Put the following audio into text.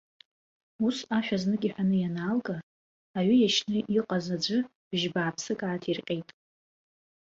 Ус, ашәа знык иҳәаны ианаалга, аҩы иашьны иҟаз аӡәы бжьы бааԥсык ааҭирҟьеит.